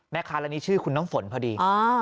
แม่คารณีชื่อคุณน้องฝนพอดี